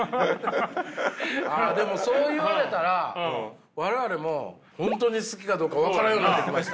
ああでもそう言われたら我々も本当に好きかどうか分からんようになってきました。